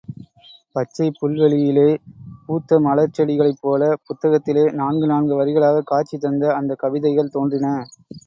பச்சைப் புல்வெளியிலே பூத்தமலர்ச் செடிகளைப்போல, புத்தகத்திலே நான்கு நான்கு வரிகளாகக் காட்சி தந்த அந்தக் கவிதைகள் தோன்றின.